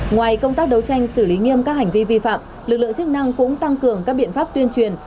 ngoài công tác đấu tranh xử lý nghiêm các hành vi vi phạm lực lượng chức năng cũng tăng cường các biện pháp tuyên truyền